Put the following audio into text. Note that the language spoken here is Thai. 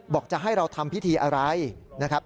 จะให้เราทำพิธีอะไรนะครับ